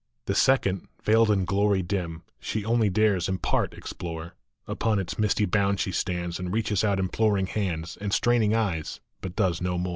The second, veiled in glory dim, She only dares in part explore ; Upon its misty bound she stands, And reaches out imploring hands And straining eyes, but does no more.